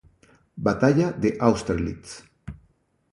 Batalla de Austerlitz